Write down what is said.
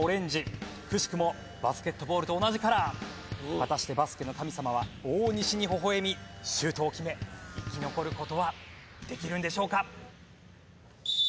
果たしてバスケの神様は大西にほほ笑みシュートを決め生き残る事はできるのでしょうか？